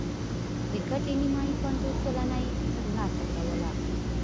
د ګټې نیمايي پنځوس سلنه یې ترلاسه کوله